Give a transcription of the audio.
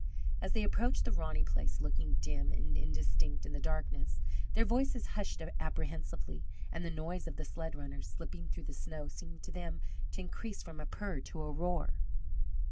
As they approached the Roney place, looking dim and indistinct in the darkness, their voices hushed apprehensively, and the noise of the sled runners slipping through the snow seemed to them to increase from a purr to a roar.